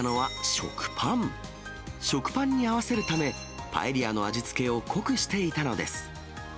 食パンに合わせるため、パエリアの味付けを濃くしていたのです。